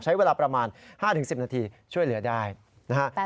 ใช้เวลาประมาณ๕๑๐นาทีช่วยเหลือได้นะฮะ